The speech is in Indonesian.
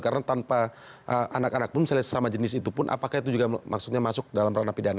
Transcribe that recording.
karena tanpa anak anak pun misalnya sesama jenis itu pun apakah itu juga masuk dalam peranah pidana